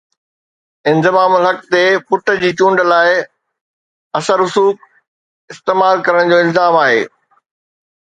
انضمام الحق تي پٽ جي چونڊ لاءِ اثر رسوخ استعمال ڪرڻ جو الزام آهي